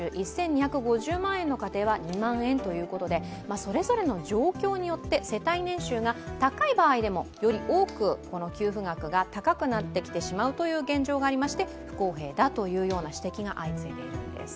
それぞれの状況によって世帯年収が高い場合でも、より多くこの給付額が高くなってきてしまうという現状がありまして、不公平だという指摘が相次いでいるんです。